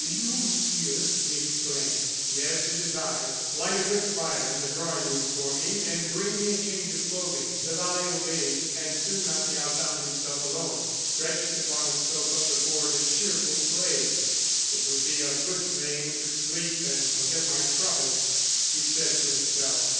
"You, Monsieur!" he exclaimed. "Yes, it is I. Light a good fire in the drawing room for me, and bring me a change of clothing." The valet obeyed, and soon Martial found himself alone, stretched upon a sofa before the cheerful blaze. "It would be a good thing to sleep and forget my troubles," he said to himself.